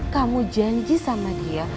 kamu janji sama dia